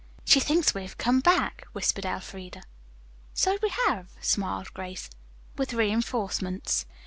"She thinks we have come back," whispered Elfreda. "So we have," smiled Grace, "with reinforcements."